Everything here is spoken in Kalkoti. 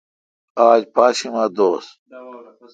آج پاشیمہ دوس۔